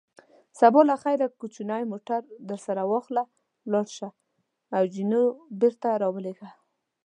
سبا له خیره کوچنی موټر درسره واخله، ولاړ شه او جینو بېرته را ولېږه.